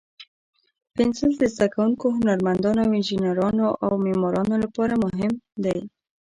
پنسل د زده کوونکو، هنرمندانو، انجینرانو، او معمارانو لپاره مهم دی.